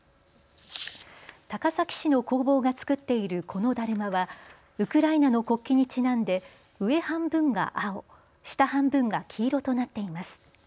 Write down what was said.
高崎市の工房が作っているこのだるまはウクライナの国旗にちなんで上半分が青、下半分が黄色となっています。